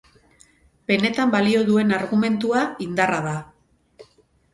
Benetan balio duen argumentua indarra da.